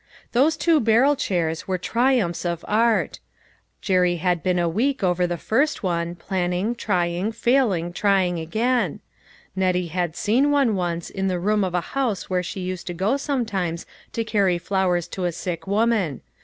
Those two barrel chairs were triumphs of art. Jerry had been a week over the first one, plan ning, trying, failing, trying again ; Nettie had seen one once, in the room of a house where she used to go sometimes to carry flowers to a sick woman.